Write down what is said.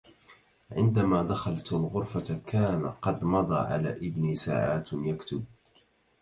عندما دخلت الغرفة كان قد مضى على ابني ساعات يكتب.